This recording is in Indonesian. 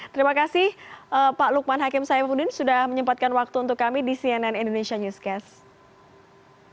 terima kasih pak lukman hakim saifuddin sudah menyempatkan waktu untuk kami di cnn indonesia newscast